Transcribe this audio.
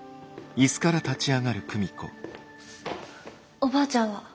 おばあちゃんは？